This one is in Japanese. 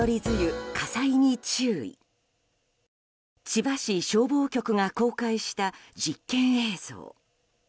千葉市消防局が公開した実験映像。